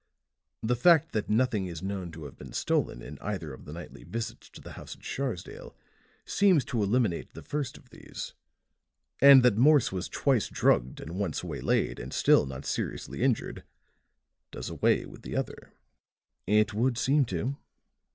The fact that nothing is known to have been stolen in either of the nightly visits to the house at Sharsdale seems to eliminate the first of these; and that Morse was twice drugged and once waylaid and still not seriously injured, does away with the other." "It would seem to."